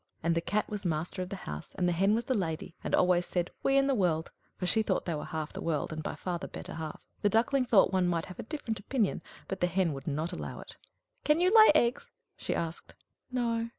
And the Cat was master of the House, and the Hen was the lady, and always said, "We and the world!" for she thought they were half the world, and by far the better half. The Duckling thought one might have a different opinion, but the Hen would not allow it. "Can you lay eggs?" she asked. "No."